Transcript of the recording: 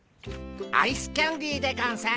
アイスキャンデーでゴンス。